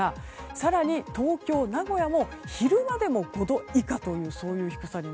更に東京、名古屋でも昼間でも５度以下という低さ。